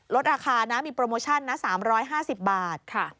ลดราคานะมีโปรโมชั่นนะ๓๕๐บาท